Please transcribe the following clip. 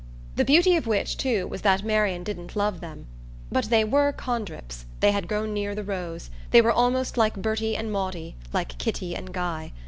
The beauty of which too was that Marian didn't love them. But they were Condrips they had grown near the rose; they were almost like Bertie and Maudie, like Kitty and Guy.